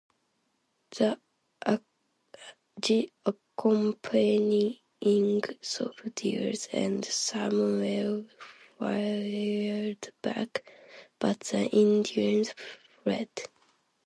The accompanying soldiers and Samuel fired back, but the Indians fled.